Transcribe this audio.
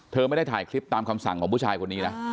ไม่ได้ถ่ายคลิปตามคำสั่งของผู้ชายคนนี้นะ